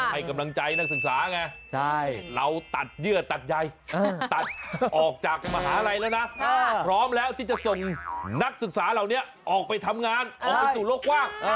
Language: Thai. พร้อมแล้วที่จะส่งนักศึกษาเหล่านี้ออกไปทำงานออกไปสู่โลกว่าง